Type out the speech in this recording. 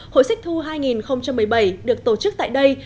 hội sách thu hai nghìn một mươi bảy được tổ chức tại đây